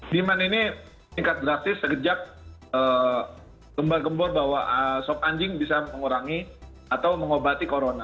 demand ini tingkat drastis sekejap gembar gembor bahwa sop anjing bisa mengurangi atau mengobati corona